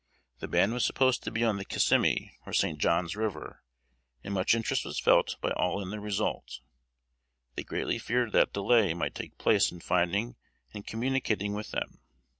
The band was supposed to be on the Kissimee or St. John's River; and much interest was felt by all in the result. They greatly feared that delay might take place in finding and communicating with them.